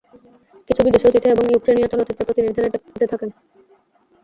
কিছু বিদেশী অতিথি এবং ইউক্রেনীয় চলচ্চিত্রের প্রতিনিধিরা এতে থাকেন।